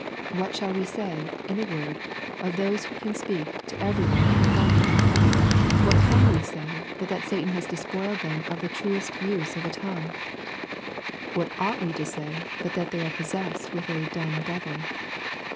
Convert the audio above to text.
What shall we say, in a word, of those who can speak to every (j;ne but God .J^— ^What can we say but that Satan has despoiled them of the truest use of a tongue ? What ought we to say but that they are possessed with a " dumb devil